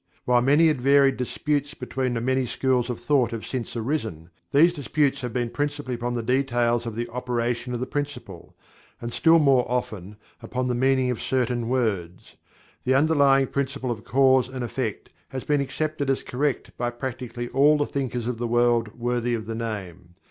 While many and varied disputes between the many schools of thought have since arisen, these disputes have been principally upon the details of the operations of the Principle, and still more often upon the meaning of certain words. The underlying Principle of Cause and Effect has been accepted as correct by practically all the thinkers of the world worthy of the name.